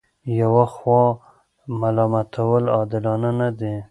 یوه خوا ملامتول عادلانه نه دي.